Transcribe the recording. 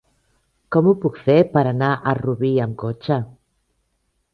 Com ho puc fer per anar a Rubí amb cotxe?